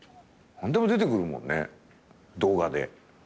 何でも出てくるもんね動画で。